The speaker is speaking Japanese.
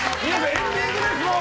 エンディングです！